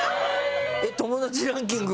「友達ランキング